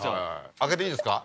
開けていいですか？